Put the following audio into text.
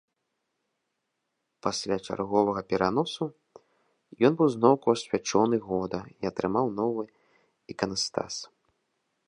Пасля чарговага пераносу, ён быў зноўку асвячоны года і атрымаў новы іканастас.